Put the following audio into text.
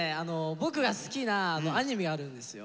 僕が好きなアニメあるんですよ。